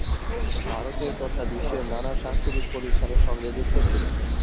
ভারতের তথা বিশ্বের নানা সাংস্কৃতিক প্রতিষ্ঠানের সঙ্গে যুক্ত ছিলেন।